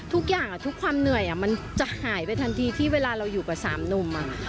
ทุกอย่างทุกความเหนื่อยมันจะหายไปทันทีที่เวลาเราอยู่กับสามหนุ่ม